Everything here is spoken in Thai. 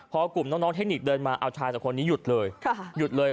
พอกลุ่มน้องเทคนิคเดินมาเอาชายสักคนนี้หยุดเลย